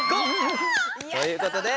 ５！ということで。